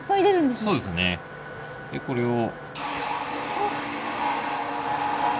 でこれを。